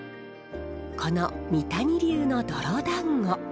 この三谷流の泥だんご。